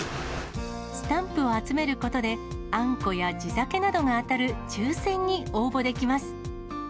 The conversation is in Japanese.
スタンプを集めることで、あんこや地酒などが当たる抽せんに応募できます。